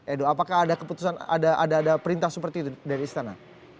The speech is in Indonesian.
edo apakah ada perintah seperti itu dari istana